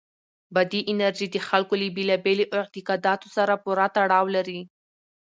بادي انرژي د خلکو له بېلابېلو اعتقاداتو سره پوره تړاو لري.